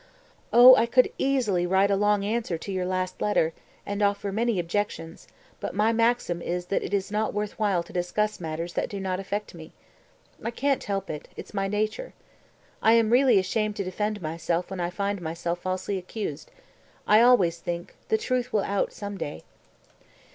O, I could easily write a long answer to your last letter, and offer many objections; but my maxim is that it is not worth while to discuss matters that do not affect me. I can't help it, it's my nature. I am really ashamed to defend myself when I find myself falsely accused; I always think, the truth will out some day."